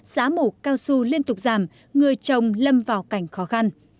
giá mủ cao su liên tục giảm người chồng lâm vào cảnh khó khăn